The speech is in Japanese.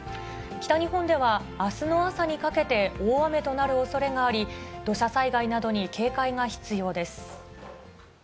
北日本では、あすの朝にかけて大雨となるおそれがあり、土砂災害などに警戒が必要です。